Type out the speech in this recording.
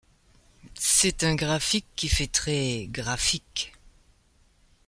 C’est un graphique qui fait très. .. graphique.